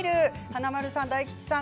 華丸さん大吉さん